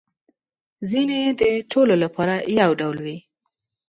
ځینې يې د ټولو لپاره یو ډول وي